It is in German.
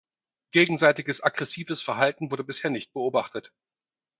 Gegenseitiges aggressives Verhalten wurde bisher nicht beobachtet.